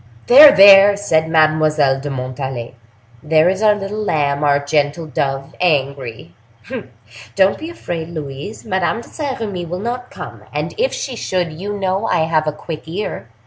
"There! there!" said Mademoiselle de Montalais; "there is our little lamb, our gentle dove, angry! Don't be afraid, Louise—Madame de Saint Remy will not come; and if she should, you know I have a quick ear.